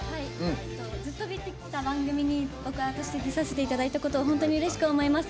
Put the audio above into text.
ずっと見てきた番組に出させていただいたことを本当にうれしく思います。